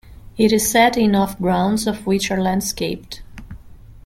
It is set in of grounds of which are landscaped.